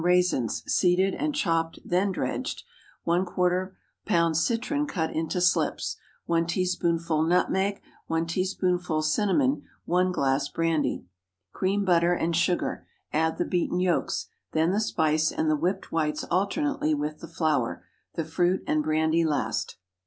raisins—seeded and chopped, then dredged. ¼ lb. citron cut into slips. 1 teaspoonful nutmeg. 1 teaspoonful cinnamon. 1 glass brandy. Cream butter and sugar; add the beaten yolks, then the spice and the whipped whites alternately with the flour; the fruit and brandy last.